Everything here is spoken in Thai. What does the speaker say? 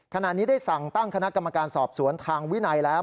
ขณะนี้ได้สั่งตั้งคณะกรรมการสอบสวนทางวินัยแล้ว